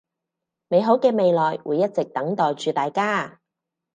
美好嘅未來會一直等待住大家